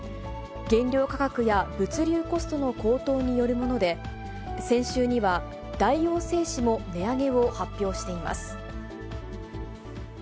原料価格や物流コストの高騰によるもので、先週には大王製紙も値上げを発表しています。